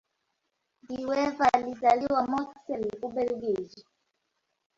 De Wever alizaliwa Mortsel, Ubelgiji.